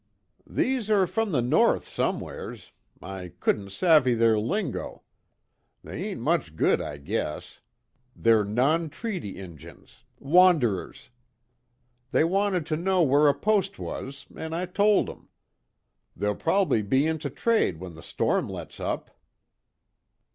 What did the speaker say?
"These are from the North somewheres. I couldn't savvy their lingo. They ain't much good I guess. They're non treaty Injuns wanderers. They wanted to know where a post was, an' I told 'em. They'll prob'ly be in to trade when the storm lets up."